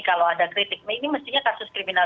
kalau ada kritik ini mestinya kasus kriminal